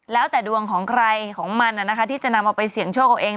แล้วแต่ดวงของใครของมันที่จะนำเอาไปเสี่ยงโชคเอาเอง